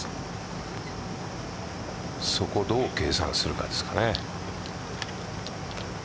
そこをどう計算するかですよね。